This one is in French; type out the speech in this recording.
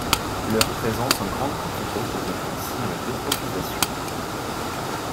Leur présence en grande quantité peut être un signe d'eutrophisation.